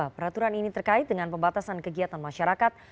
peraturan ini terkait dengan pembatasan kegiatan masyarakat